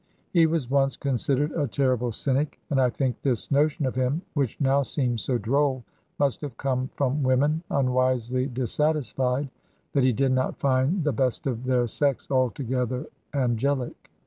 He was once considered a terrible cynic, and I think this notion of him, which now seems so droll, must have come from women un wisely dissatisfied that he did not find the best of their sex altogether angelic.